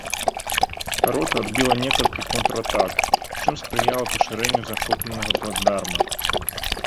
Рота адбіла некалькі контратак, чым спрыяла пашырэнню захопленага плацдарма.